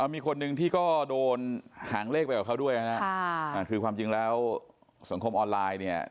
มีคนหนึ่งที่ก็โดนหางเลขไปกับเขาด้วยนะฮะคือความจริงแล้วสังคมออนไลน์เนี่ย